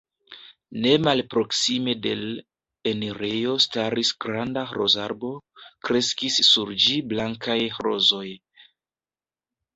Ne malproksime de l' enirejo staris granda rozarbo; kreskis sur ĝi blankaj rozoj.